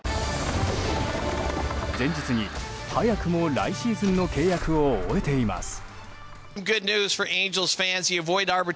前日に早くも来シーズンの契約を終えています。